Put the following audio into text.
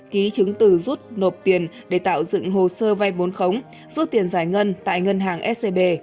ký chứng từ rút nộp tiền để tạo dựng hồ sơ vay vốn khống rút tiền giải ngân tại ngân hàng scb